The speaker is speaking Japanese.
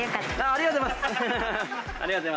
ありがとうございます。